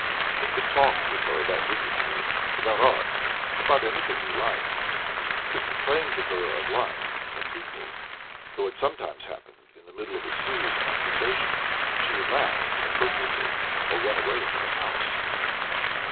He could talk with her about literature, about art, about anything he liked; could complain to her of life, of people, though it sometimes happened in the middle of serious conversation she would laugh inappropriately or run away into the house.